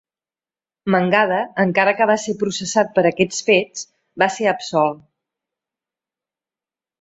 Mangada, encara que va ser processat per aquests fets, va ser absolt.